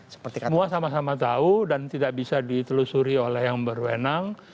semua sama sama tahu dan tidak bisa ditelusuri oleh yang berwenang